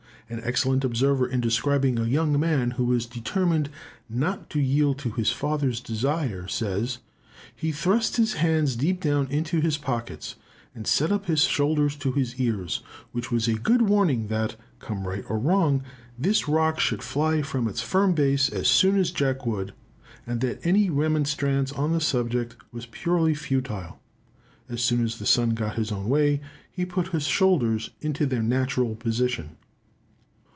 An excellent observer in describing a young man who was determined not to yield to his father's desire, says, "He thrust his hands deep down into his pockets, and set up his shoulders to his ears, which was a good warning that, come right or wrong, this rock should fly from its firm base as soon as Jack would; and that any remonstrance on the subject was purely futile." As soon as the son got his own way, he "put his shoulders into their natural position."